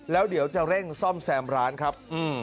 แล้วเดี๋ยวจะเร่งซ่อมแซมร้านครับ